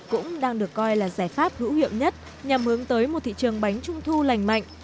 cũng đang được coi là giải pháp hữu hiệu nhất nhằm hướng tới một thị trường bánh trung thu lành mạnh